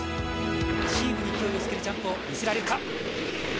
チームに勢いをつけるジャンプを見せられるか。